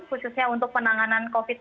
khususnya untuk penanganan covid sembilan belas